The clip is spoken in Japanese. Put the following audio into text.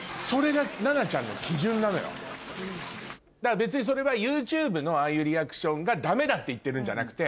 別にそれはＹｏｕＴｕｂｅのああいうリアクションがダメだって言ってるんじゃなくて。